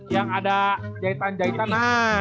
yang ada jahitan jahitan